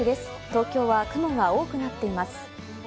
東京は雲が多くなっています。